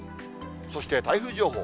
そして台風情報。